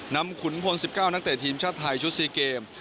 ขุนพล๑๙นักเตะทีมชาติไทยชุด๔เกม